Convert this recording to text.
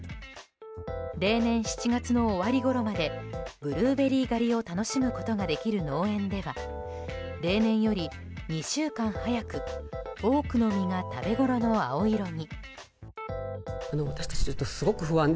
例年７月の終わりごろまでブルーベリー狩りを楽しむことができる農園では例年より２週間早く多くの実が食べごろの青色に。